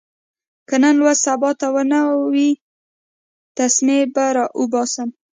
که نن لوست سبا ته ونه وي، تسمې به اوباسم.